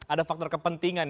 ada faktor kepentingan